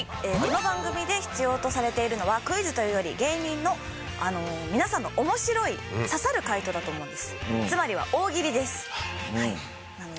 この番組で必要とされているのはクイズというより芸人の皆さんの面白い刺さる解答だと思うんです。